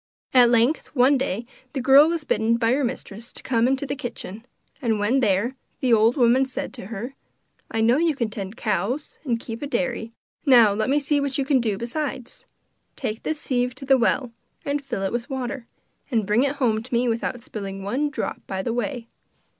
At length, one day, the girl was bidden by her mistress to come into the kitchen, and when there, the old woman said to her: 'I know you can tend cows and keep a diary; now let me see what you can do besides. Take this sieve to the well, and fill it with water, and bring it home to me without spilling one drop by the way.